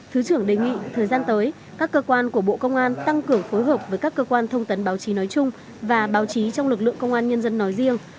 thứ trưởng đề nghị thời gian tới các cơ quan của bộ công an tăng cường phối hợp với các cơ quan thông tấn báo chí nói chung và báo chí trong lực lượng công an nhân dân nói riêng